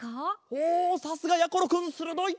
おさすがやころくんするどい！